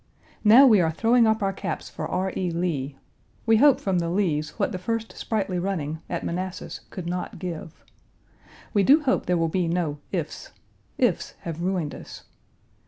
Now we are throwing up our caps for R. E. Lee. We hope from the Lees what the first sprightly running (at Manassas) could not give. We do hope there will be no "ifs." "Ifs" have ruined us.